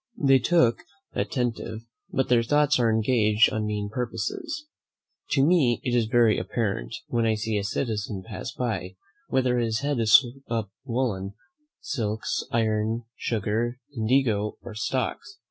They look attentive, but their thoughts are engaged on mean purposes. To me it is very apparent, when I see a citizen pass by, whether his head is upon woollen, silks, iron, sugar, indigo, or stocks.